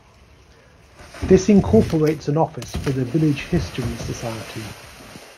This incorporates an office for the village History Society.